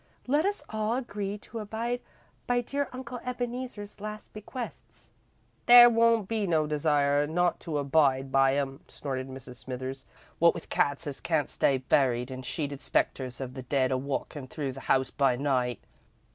Let us all agree to abide by dear Uncle Ebeneezer's last bequests." "There won't be no desire not to abide by 'em," snorted Mrs. Smithers, "wot with cats as can't stay buried and sheeted spectres of the dead a walkin' through the house by night!"